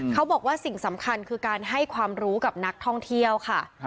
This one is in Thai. เขาบอกว่าสิ่งสำคัญคือการให้ความรู้กับนักท่องเที่ยวค่ะ